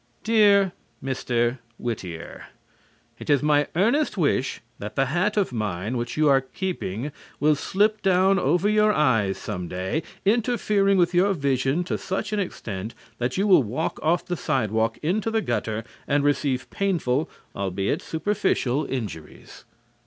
Dear Mr. Whittier: It is my earnest wish that the hat of mine which you are keeping will slip down over your eyes some day, interfering with your vision to such an extent that you will walk off the sidewalk into the gutter and receive painful, albeit superficial, injuries.